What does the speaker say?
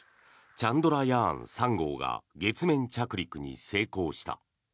チャンドラヤーン３号が月面着陸に成功した。